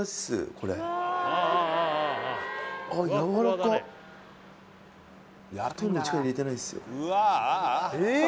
これあっやわらかっほとんど力入れてないっすよ